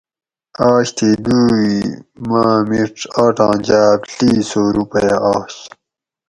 آج تھی دُوئی ماۤ مِڄ آٹاں جاۤب ڷی سو رُوپیہ آش